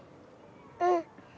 うん。